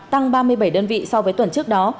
tăng ba mươi bảy đơn vị so với tuần trước đó